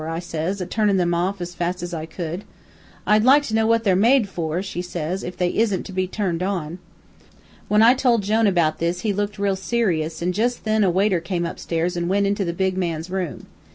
says I, a turnin' them off as fast as I could. "'I'd like to know what they're made for,' says she, 'if they isn't to be turned on.' "When I told Jone about this he looked real serious, an' jus' then a waiter came upstairs an' went into the big man's room.